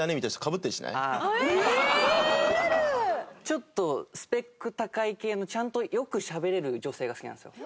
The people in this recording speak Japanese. ちょっとスペック高い系のちゃんとよくしゃべれる女性が好きなんですよ。